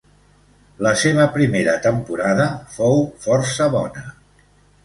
La seva primera temporada fou força bona.